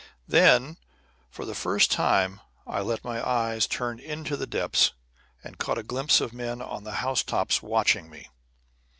And then for the first time I let my eyes turn into the depths, and caught a glimpse of men on housetops watching me.